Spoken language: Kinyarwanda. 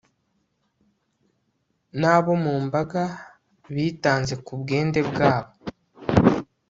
n'abo mu mbaga bitanze ku bwende bwabo